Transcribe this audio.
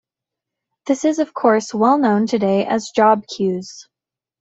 This is of course well known today as job queues.